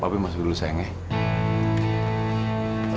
tapi masuk dulu sayangnya